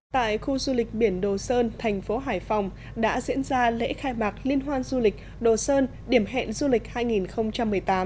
tại khu du lịch biển đồ sơn thành phố hải phòng đã diễn ra lễ khai mạc liên hoan du lịch đồ sơn điểm hẹn du lịch hai nghìn một mươi tám